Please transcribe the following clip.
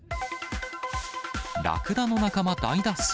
ラクダの仲間大脱走。